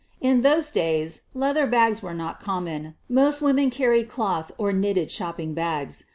In those days leather bags were not common — most women carried cloth or knitted shopping bags.